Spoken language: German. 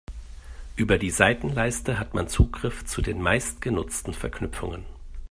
Über die Seitenleiste hat man Zugriff zu den meistgenutzten Verknüpfungen.